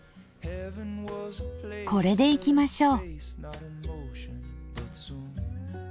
これでいきましょう。